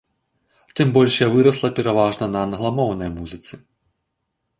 Тым больш я вырасла пераважна на англамоўнай музыцы.